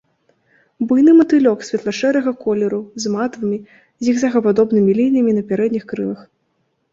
Буйны матылёк светла-шэрага колеру з матавымі зігзагападобнымі лініямі на пярэдніх крылах.